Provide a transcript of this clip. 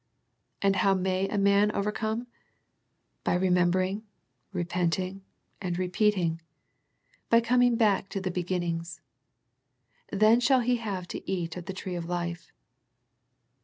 And how may a man overcome? By remembering, repenting, and repeating, by coming back to the beginnings. Then shall he have to eat of the tree of life.